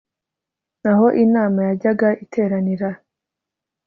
aho inama yajyaga iteranira